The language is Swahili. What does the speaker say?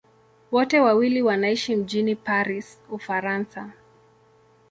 Wote wawili wanaishi mjini Paris, Ufaransa.